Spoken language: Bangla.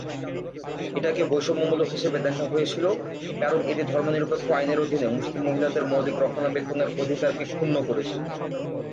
এটাকে বৈষম্যমূলক হিসেবে দেখা হয়েছিল কারণ এটি ধর্মনিরপেক্ষ আইনের অধীনে মুসলিম মহিলাদের মৌলিক রক্ষণাবেক্ষণের অধিকারকে ক্ষুণ্ণ করেছিল।